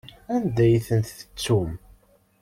Anda ay ten-tettum?